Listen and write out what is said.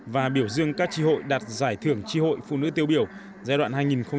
và biểu dương các tri hội đạt giải thưởng tri hội phụ nữ tiêu biểu giai đoạn hai nghìn tám hai nghìn một mươi tám